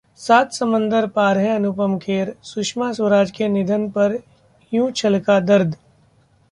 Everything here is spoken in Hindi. सात समंदर पार हैं अनुपम खेर, सुषमा स्वराज के निधन पर यूं छलका दर्द